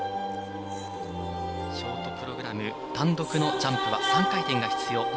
ショートプログラム単独のジャンプは３回転が必要。